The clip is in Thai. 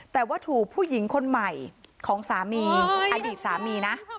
แต่ว่าถูกผู้หญิงคนใหม่ของสามีอดีตสามีนะ